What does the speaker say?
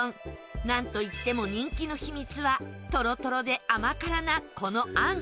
なんといっても人気の秘密はトロトロで甘辛なこの餡。